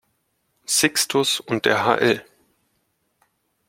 Sixtus und der hl.